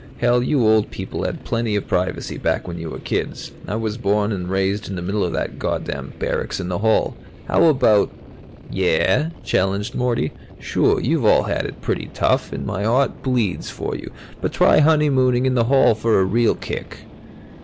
"Hell, you old people had plenty of privacy back when you were kids. I was born and raised in the middle of that goddamn barracks in the hall! How about " "Yeah?" challenged Morty. "Sure, you've all had it pretty tough, and my heart bleeds for you. But try honeymooning in the hall for a real kick."